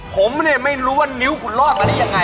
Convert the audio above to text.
ผมเนี่ยไม่รู้ว่านิ้วคุณรอดมาได้ยังไง